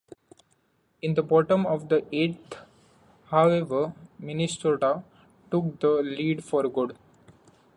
In the bottom of the eighth, however, Minnesota took the lead for good.